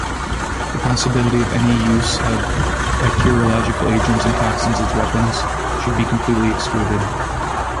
The possibility of any use of bacteriological agents and toxins as weapons should be completely excluded.